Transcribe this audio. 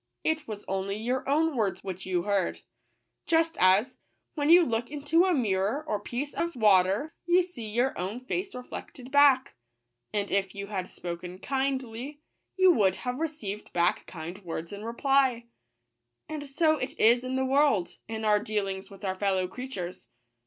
It was only your own words which you heard, just as, when you look into a mirror or piece of w;i * x m*m r r> s ax S uiffl fnTVKT; 'WT.TrrA^iurfrmf/v.^ f/irrrrvw r water, you see your own face reflected back ; and if you had spoken kindly, you would have received back kind words in reply. And so it is in the world, in our dealings with our fellow creatures.